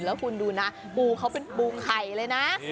แล้วคุณดูนะปูเขาเป็นปูไข่เลยนะ